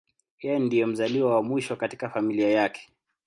Yeye ndiye mzaliwa wa mwisho katika familia yake.